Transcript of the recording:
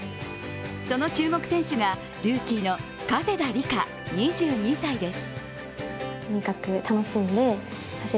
その注目選手が、ルーキーの加世田梨花２２歳です。